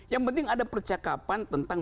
yang penting ada percakapan tentang